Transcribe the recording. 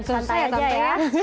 jangan susah ya tante